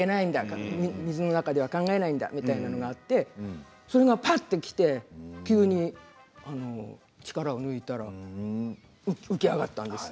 水の中では考えないんだみたいなのがあってそれがぱっときて急に力を抜いたら浮き上がったんです。